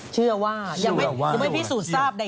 เชื่อว่ายังไม่พิสูจน์ทราบใด